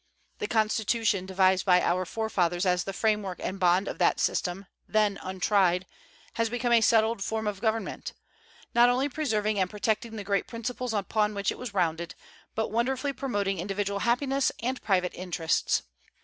The Constitution devised by our forefathers as the framework and bond of that system, then untried, has become a settled form of government; not only preserving and protecting the great principles upon which it was rounded, but wonderfully promoting individual happiness and private interests.